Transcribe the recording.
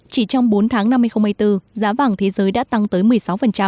chỉ trong bốn tháng năm hai nghìn hai mươi bốn giá vàng thế giới đã tăng tới một mươi sáu